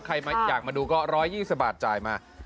ใครอยากมาดูก็๑๒๐บาทจ่ายมา